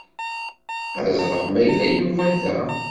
Ad ẓreɣ ma yella Yuba da.